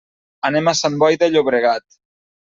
Anem a Sant Boi de Llobregat.